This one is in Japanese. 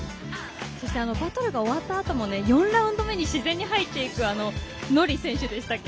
そしてバトルが終わったあとも４ラウンド目に自然に入っていくＮＯＲＩ選手でしたっけ。